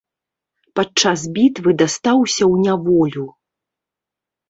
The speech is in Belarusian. Падчас бітвы дастаўся ў няволю.